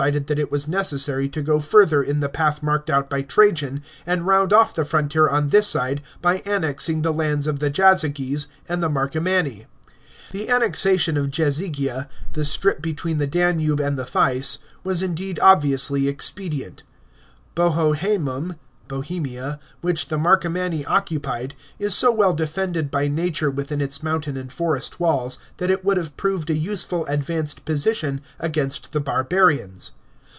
ded that it was necessary to go further in the path marked out by Tra jan, and round off the frontier on this side by annexing the lauds of the Jazyges and the Marcomanni. The annexation of Jazy^ia. the strip between the Danube and the Theiss, was indeed obviously 546 PRINC1PATE OF MARCUS AURELIUS. CHAP, xxvin expedient. Boiohsemnm (Bohemia), which the Marcomanni occu pied, is so well defended hy nature within its mountain and forest walls that it would have proved a useful advanced position against the barbarians.